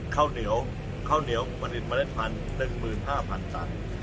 ข้าวเหนียวผลิต๑๕๐๐๐ตัน